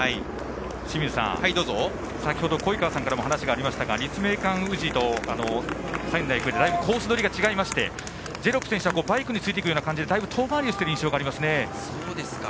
清水さん、先程鯉川さんからも話がありましたが立命館宇治と仙台育英でだいぶコースどりが違ってジェロップ選手はバイクについていくような感じでだいぶ遠回りしている印象がありますね。